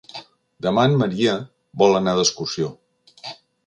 Demà en Maria vol anar d'excursió.